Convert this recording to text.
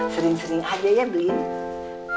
sering sering aja ya beli